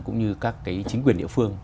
cũng như các chính quyền địa phương